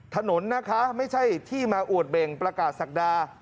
ถนนนะคะไม่ใช่ที่มาอวดเบ่งประกาศศักดา